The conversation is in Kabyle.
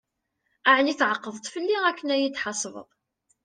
Ɛni tεeqdeḍ-t fell-i akken ad yi-d-tḥesbeḍ?